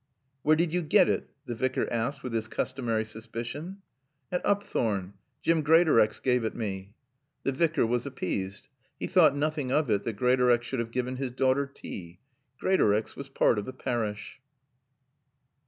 "Where did you get it?" the Vicar asked with his customary suspicion. "At Upthorne. Jim Greatorex gave it me." The Vicar was appeased. He thought nothing of it that Greatorex should have given his daughter tea. Greatorex was part of the parish.